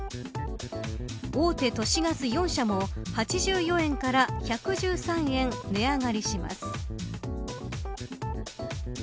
大手都市ガス４社も８４円から１１３円値上がりします。